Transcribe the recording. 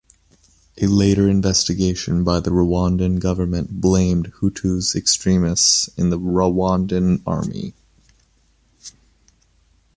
A later investigation by the Rwandan government blamed Hutu extremists in the Rwandan army.